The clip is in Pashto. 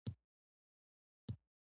راټول شوي شواهد قانوني او موجه نه وو.